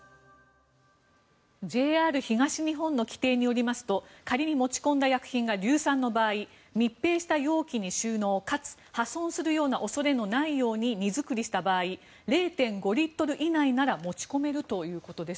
ＪＲ東日本の規定によりますと仮に持ち込んだ薬品が硫酸の場合密閉した容器に収納かつ破損するような恐れの内容に荷造りした場合０．５リットル以内なら持ち込めるということです。